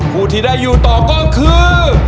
ผู้ที่ได้อยู่ต่อก็คือ